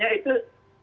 jadi kalau hakim